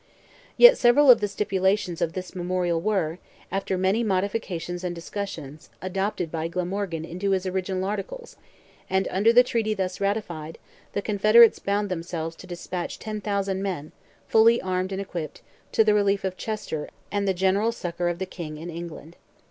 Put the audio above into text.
Yet several of the stipulations of this memorial were, after many modifications and discussions, adopted by Glamorgan into his original articles, and under the treaty thus ratified, the Confederates bound themselves to despatch 10,000 men, fully armed and equipped, to the relief of Chester and the general succour of the King in England.